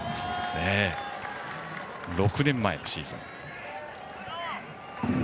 ６年前のシーズン。